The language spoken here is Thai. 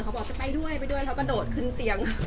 เขาบอกจะไปด้วยไปด้วยเขาก็โดดขึ้นเตียง